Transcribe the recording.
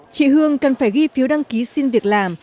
chị hương cần phải ghi phiếu đăng ký xin việc làm